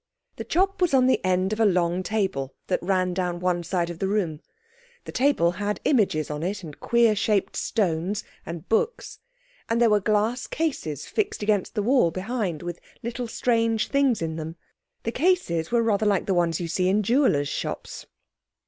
The chop was on the end of a long table that ran down one side of the room. The table had images on it and queer shaped stones, and books. And there were glass cases fixed against the wall behind, with little strange things in them. The cases were rather like the ones you see in jewellers' shops.